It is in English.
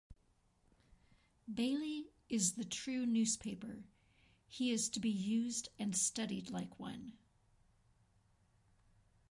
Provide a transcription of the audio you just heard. Baillie is the true newspaper; he is to be used and studied like one.